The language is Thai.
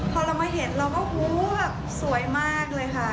พอเรามาเห็นเราก็แบบสวยมากเลยค่ะ